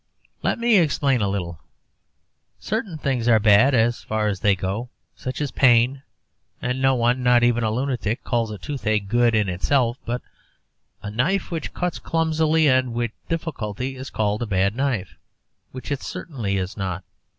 Let me explain a little: Certain things are bad so far as they go, such as pain, and no one, not even a lunatic, calls a tooth ache good in itself; but a knife which cuts clumsily and with difficulty is called a bad knife, which it certainly is not.